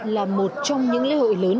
là một trong những lễ hội lớn